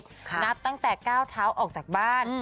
นับตั้งแต่ก้าวเท้าออกจากบ้าน